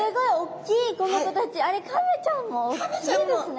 あれカメちゃんもおっきいですね。